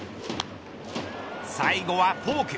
最後はフォーク。